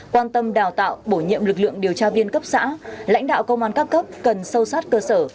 quan tâm đào tạo bổ nhiệm lực lượng điều tra viên cấp xã lãnh đạo công an các cấp cần sâu sát cơ sở